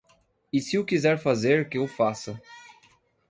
E se o quiser fazer que o faça.